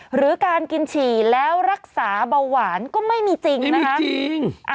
หรือการกินฉี่แล้วรักษาเบาหวานก็ไม่มีจริงนะคะ